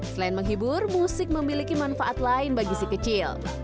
selain menghibur musik memiliki manfaat lain bagi si kecil